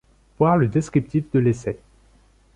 Voir le descriptif de l’essai.